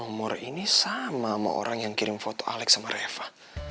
nomor ini sama sama orang yang kirim foto alex sama reva